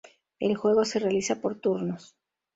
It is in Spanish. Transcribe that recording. El juego se realiza por turnos.